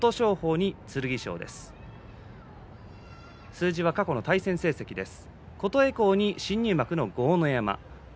数字は過去の対戦成績です。